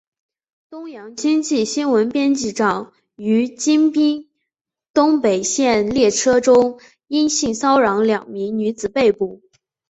东洋经济新闻编辑长于京滨东北线列车中因性骚扰两名女子被捕。